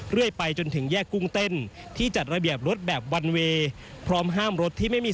เรื่อยไปจนถึงแยกกุ้งเต้นที่จัดระเบียบรถแบบวันเวย์พร้อมห้ามรถที่ไม่มี